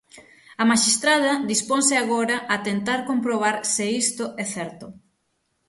A maxistrada disponse agora a tentar comprobar se isto é certo.